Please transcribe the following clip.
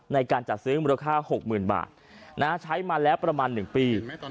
ในการจัดซื้อมูลค่า๖๐๐๐บาทใช้มาแล้วประมาณ๑ปี